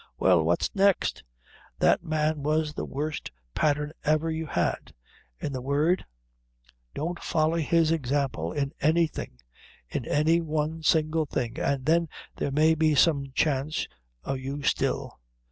Well, what next?" "That man was the worst patthern ever you had. In the word, don't folly his example in anything in any one single thing, an' then there may be some chance o' you still.